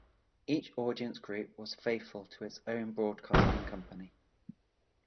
Each audience group was faithful to its own broadcasting company.